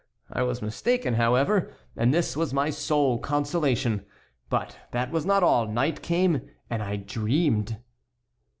I was mistaken, however, and this was my sole consolation. But that was not all; night came, and I dreamed."